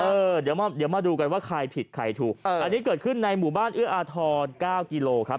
เออเดี๋ยวมาดูกันว่าใครผิดใครถูกอันนี้เกิดขึ้นในหมู่บ้านเอื้ออาทร๙กิโลครับ